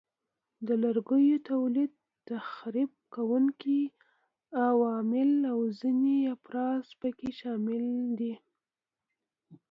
د لرګیو تولید، تخریب کوونکي عوامل او ځینې افزار پکې شامل دي.